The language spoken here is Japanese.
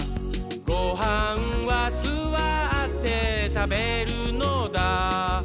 「ごはんはすわってたべるのだ」